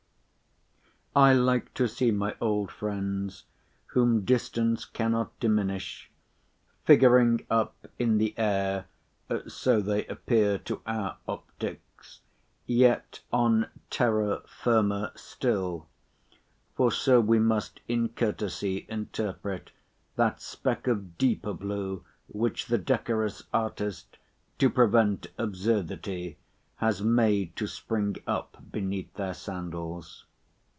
I like to see my old friends—whom distance cannot diminish—figuring up in the air (so they appear to our optics), yet on terra firma still—for so we must in courtesy interpret that speck of deeper blue, which the decorous artist, to prevent absurdity, has made to spring up beneath their sandals.